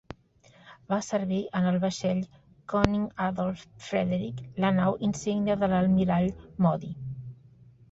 Va servir en el vaixell "Konig Adolf Frederic", la nau insígnia de l'almirall Modee.